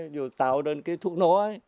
rồi tạo nên cái thuốc nó